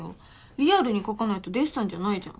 リアルに描かないとデッサンじゃないじゃん。